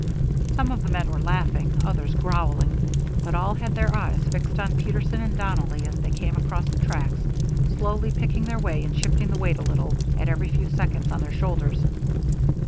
Some of the men were laughing, others growling, but all had their eyes fixed on Peterson and Donnelly as they came across the tracks, slowly picking their way, and shifting the weight a little, at every few seconds, on their shoulders.